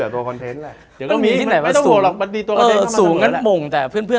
ต้องการแข่งขันเพื่อ